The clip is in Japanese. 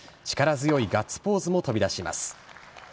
力強いガッツポーズも飛び出します。